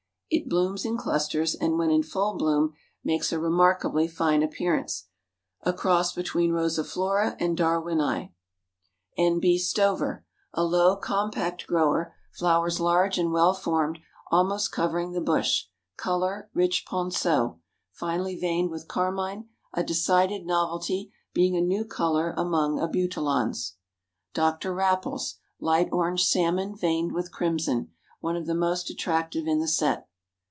It blooms in clusters and when in full bloom makes a remarkably fine appearance. A cross between Rosaflora and Darwinii." N. B. Stover, "A low, compact grower. Flowers large and well formed, almost covering the bush; color, rich ponceau, finely veined with carmine. A decided novelty, being a new color among Abutilons." Dr. Rapples. "Light orange salmon, veined with crimson. One of the most attractive in the set."